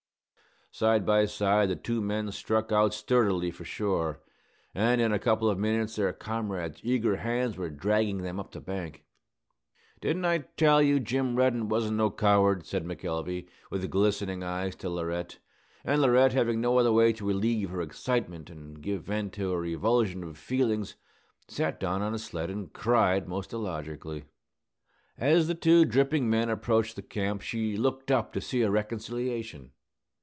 Side by side the two men struck out sturdily for shore, and in a couple of minutes their comrades' eager hands were dragging them up the bank. "Didn't I tell you Jim Reddin wasn't no coward?" said McElvey, with glistening eyes, to Laurette; and Laurette, having no other way to relieve her excitement and give vent to her revulsion of feelings, sat down on a sled and cried most illogically. As the two dripping men approached the camp, she looked up to see a reconciliation.